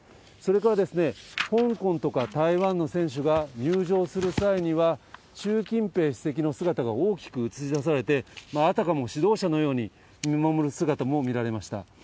それから、香港とか台湾の選手が入場する際には、習近平主席の姿が大きく映し出されて、あたかも指導者のように見守る姿も見られました。